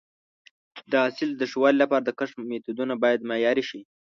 د حاصل د ښه والي لپاره د کښت میتودونه باید معیاري شي.